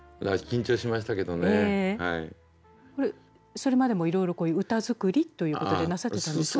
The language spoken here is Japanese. それまでもいろいろ歌作りということでなされてたんですか？